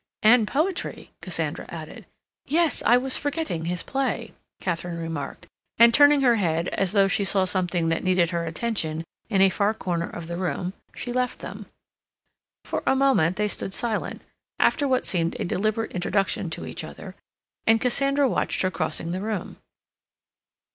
"And poetry," Cassandra added. "Yes, I was forgetting his play," Katharine remarked, and turning her head as though she saw something that needed her attention in a far corner of the room, she left them. For a moment they stood silent, after what seemed a deliberate introduction to each other, and Cassandra watched her crossing the room.